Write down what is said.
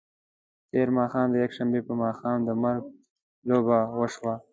تېر ماښام د یکشنبې په ماښام د مرګ لوبه وشوه.